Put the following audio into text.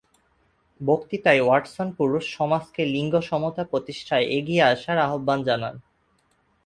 বক্তৃতায় ওয়াটসন পুরুষ সমাজকে লিঙ্গ সমতা প্রতিষ্ঠায় এগিয়ে আসার আহ্বান জানান।